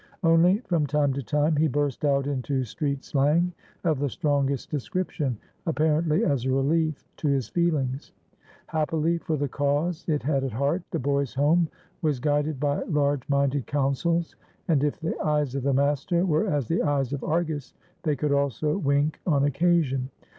Only from time to time he burst out into street slang of the strongest description, apparently as a relief to his feelings. Happily for the cause it had at heart, the Boys' Home was guided by large minded counsels, and if the eyes of the master were as the eyes of Argus, they could also wink on occasion.